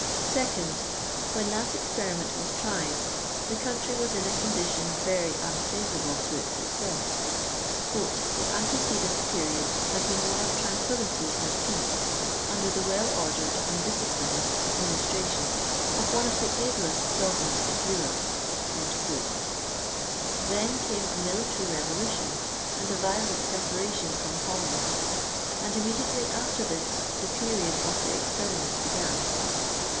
Second, when that experiment was tried, the country was in a condition very unfavorable to its success. " The antecedent period had been one of tranquillity and peace, under the well ordered and disciplined administration of one of the ablest sovereigns of Europe." Then came a military revolution and a violent separation from Holland ; and immediately after this the period of the experiment began.